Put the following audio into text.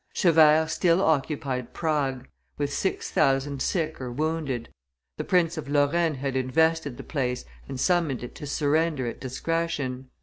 Chevert still occupied Prague, with six thousand sick or wounded; the Prince of Lorraine had invested the place and summoned it to surrender at discretion.